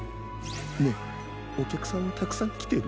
ねえおきゃくさんはたくさんきてる？